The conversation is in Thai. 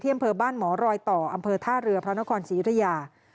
อำเภอบ้านหมอรอยต่ออำเภอท่าเรือพระนครศรียุธยา